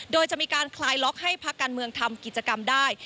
โดยจะมีการคลายล็อกให้พักการเมืองทำกิจกรรมได้